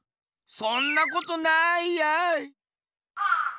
そんなことないやい。